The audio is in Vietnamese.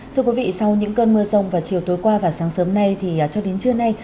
thưa quý vị sau những cơn mưa rông vào chiều tối qua và sáng sớm nay thì cho đến trưa nay